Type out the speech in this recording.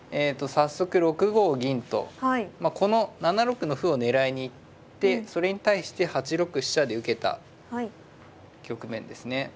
この７六の歩を狙いに行ってそれに対して８六飛車で受けた局面ですね。